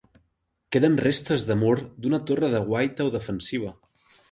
Queden restes de mur d'una torre de guaita o defensiva.